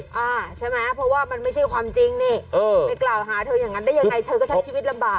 อ่าใช่ไหมเพราะว่ามันไม่ใช่ความจริงนี่เออไปกล่าวหาเธออย่างนั้นได้ยังไงเธอก็ใช้ชีวิตลำบาก